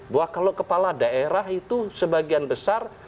bahwa kalau kepala daerah itu sebagian besar